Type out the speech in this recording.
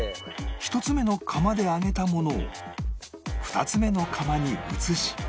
１つ目の釜で揚げたものを２つ目の釜に移し